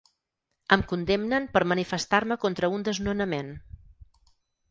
Em condemnen per manifestar-me contra un desnonament.